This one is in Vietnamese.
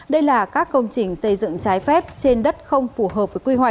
đây là các công trình xây dựng trái phép trên đất không phù hợp